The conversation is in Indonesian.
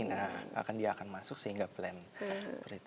nah dia akan masuk sehingga blend